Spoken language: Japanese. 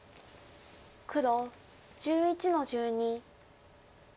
黒１１の十二。